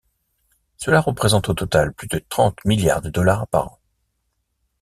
Cela représente au total plus de trente milliards de dollars par an.